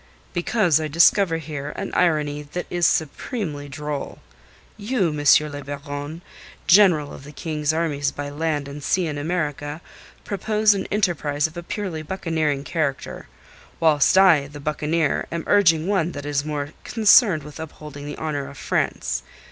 "Because I discover here an irony that is supremely droll. You, M. le Baron, General of the King's Armies by Land and Sea in America, propose an enterprise of a purely buccaneering character; whilst I, the buccaneer, am urging one that is more concerned with upholding the honour of France.